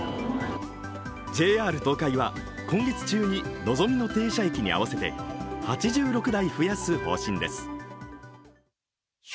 ＪＲ東海は、今月中にのぞみの停車駅に合わせて８６台増やす方針です。